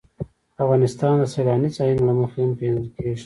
افغانستان د سیلاني ځایونو له مخې هم پېژندل کېږي.